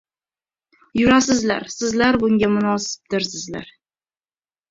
yurasizlar! Sizlar bunga munosibdirsizlar!